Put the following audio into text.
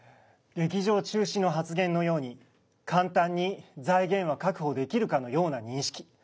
劇場中止の発言のように簡単に財源は確保できるかのような認識